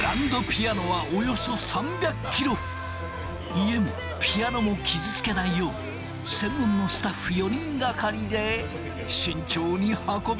家もピアノも傷つけないよう専門のスタッフ４人がかりで慎重に運び込まれる。